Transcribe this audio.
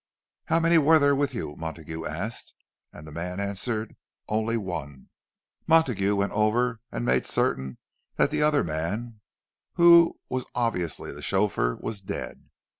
"How many were there with you?" Montague asked; and the man answered, "Only one." Montague went over and made certain that the other man—who was obviously the chauffeur—was dead.